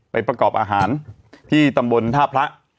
ประกอบอาหารที่ตำบลท่าพระ